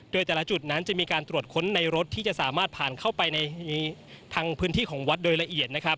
โดยแต่ละจุดนั้นจะมีการตรวจค้นในรถที่จะสามารถผ่านเข้าไปในทางพื้นที่ของวัดโดยละเอียดนะครับ